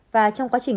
và trong quá trình